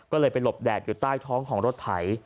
ก็เลยไปหลบแดดอยู่ใต้ท้องของรถไถ